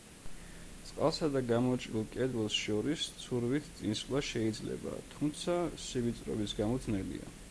წყალსა და გამოჭრილ კედელს შორის ცურვით წინსვლა შეიძლება, თუმცა სივიწროვის გამო ძნელია.